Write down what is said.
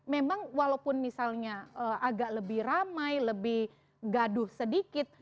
memang walaupun misalnya agak lebih ramai lebih gaduh sedikit